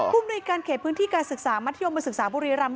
มนุยการเขตพื้นที่การศึกษามัธยมศึกษาบุรีรำ